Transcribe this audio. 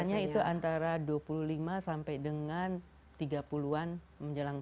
usianya itu antara dua puluh lima sampai dengan tiga puluh an menjelang empat puluh